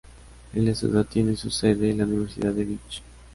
En la ciudad tiene su sede la Universidad de Vich.